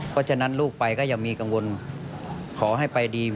กับน้องหรือว่ากับพี่อย่างนี้